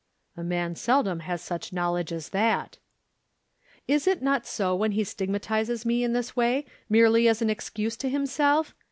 "A man seldom has such knowledge as that." "Is it not so when he stigmatizes me in this way merely as an excuse to himself?